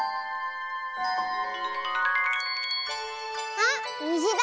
あっにじだ！